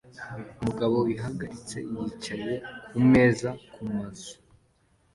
Umugabo wihagaritse yicaye kumeza kumazu